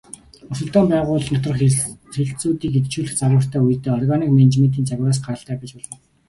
Өрсөлдөөн байгууллын доторх хэлтсүүдийг идэвхжүүлэх загвартай үедээ органик менежментийн загвараас гаралтай байж болно.